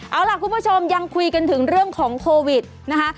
เอาล่ะคุณผู้ชมยังคุยกันถึงเรื่องของโควิดนะคะ